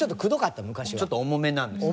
ちょっと重めなんですかね。